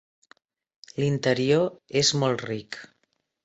L'interior és molt ric.